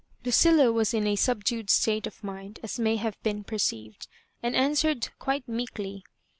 Lucilla was in a subdued state of mind, as may have been perceived, and answered quite meekly.